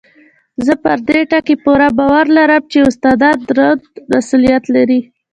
زه پر دې ټکي پوره باور لرم چې استادان دروند مسؤلیت لري.